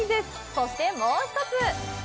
そして、もう一つ！